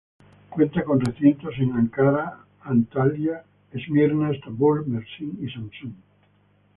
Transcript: Cuenta con recintos en Ankara, Antalya, Esmirna, Estambul, Mersin y Samsun.